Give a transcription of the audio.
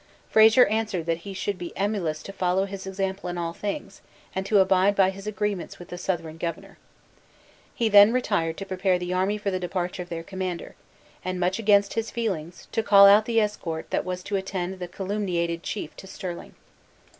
Fraser answered that he should be emulous to follow his example in all things, and to abide by his agreements with the Southron governor. He then retired to prepare the army for the departure of their commander, and, much against his feelings, to call out the escort that was to attend the calumniated chief Stirling.